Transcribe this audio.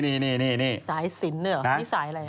สายสินเนี่ยเหรอสายอะไร